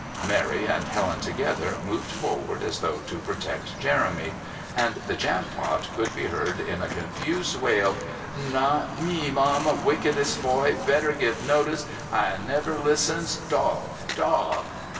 Mary and Helen together moved forward as though to protect Jeremy, and the Jampot could be heard in a confused wail: "Not me, Mum... Wickedest boy... better give notice... as never listens... dog... dog..."